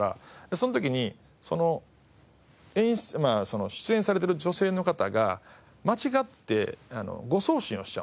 その時に出演されてる女性の方が間違って誤送信をしちゃうんですよ。